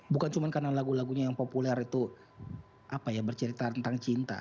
bukan cuma karena lagu lagunya yang populer itu bercerita tentang cinta